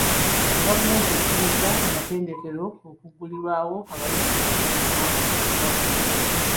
Gavumenti ekkirizza amatendekero okuggulirawo abayizi abali mu mwaka ogw'akamalirizo.